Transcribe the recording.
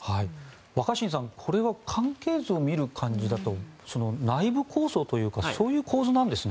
若新さんこれは関係図を見る感じだと内部抗争というかそういう構図なんですね。